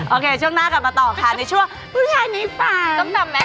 โอเคช่วงหน้ากลับมาต่อค่ะในช่วงผู้ชายในฝ่าต้องตามไหม